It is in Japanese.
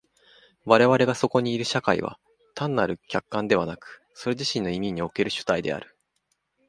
我々がそこにいる社会は単なる客観でなく、それ自身の意味における主体である。